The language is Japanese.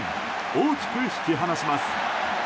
大きく引き離します。